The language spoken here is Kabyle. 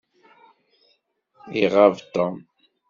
Iɣab Tom.